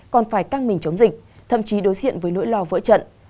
còn phải căng mình chống dịch thậm chí đối diện với nỗi lo vỡ trận